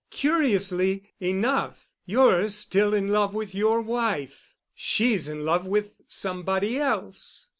Curiously enough you're still in love with your wife. She's in love with somebody else.